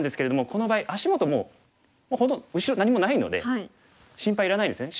この場合足元もう後ろ何もないので心配いらないですよね。